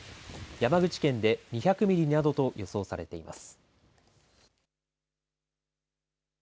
山口県で２００ミリなどと予想されています。